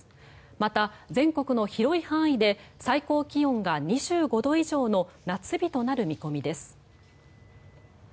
また、全国の広い範囲で最高気温が２５度以上の夏日となる見込みです。